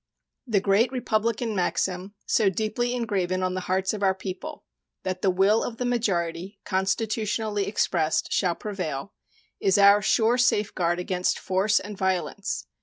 The great republican maxim, so deeply engraven on the hearts of our people, that the will of the majority, constitutionally expressed, shall prevail, is our sure safeguard against force and violence.